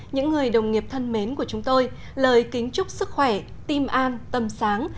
những người đồng nghiệp thân mến của chúng tôi lời kính chúc sức khỏe tim an tâm sáng